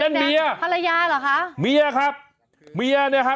เมียภรรยาเหรอคะเมียครับเมียเนี่ยฮะ